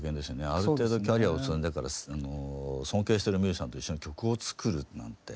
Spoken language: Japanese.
ある程度キャリアを積んでから尊敬してるミュージシャンと一緒に曲を作るなんて。